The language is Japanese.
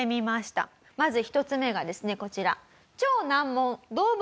まず１つ目がですねこちら。